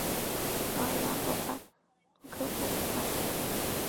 阿尔让河畔罗科布吕讷。